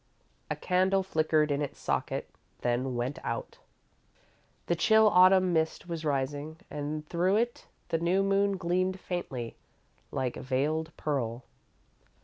A candle flickered in its socket, then went out. The chill Autumn mist was rising, and through it the new moon gleamed faintly, like veiled pearl.